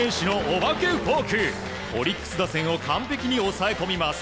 オリックス打線を完璧に抑え込みます。